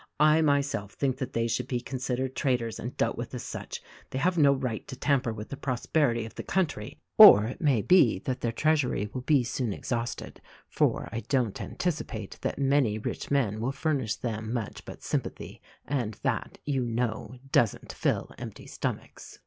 I myself think that they should be considered trait ors and dealt with as such ; they have no right to tamper with the prosperity of the country. Or it may be that their treasury will be soon exhausted, for I don't anticipate that many rich men will furnish them much but sympathy — and that, you know, doesn't fill empty stomachs.